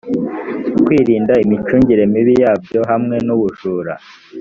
kwirinda imicungire mibi yabyo hamwe n ubujura